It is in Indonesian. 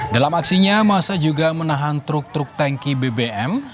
dalam aksinya masa juga menahan truk truk tanki bbm